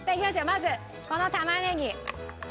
まずこの玉ねぎ。